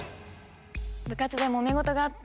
部活でもめ事があって。